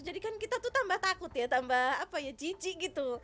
jadi kan kita tuh tambah takut ya tambah jiji gitu